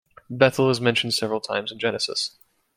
Bethel is mentioned several times in Genesis.